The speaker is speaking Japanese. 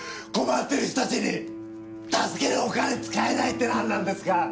困っている人たちに助けるお金使えないってなんなんですか！？